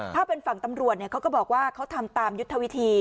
ถ้าเป็นฝั่งตำรวจเขาก็บอกว่าเขาทำตามยุทธวิธี